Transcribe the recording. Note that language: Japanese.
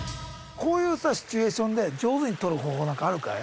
こういうシチュエーションで上手に撮る方法あるかい？